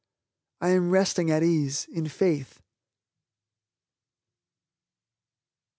I am resting at ease, in faith.